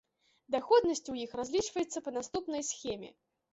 Даходнасць у іх разлічваецца па наступнай схеме.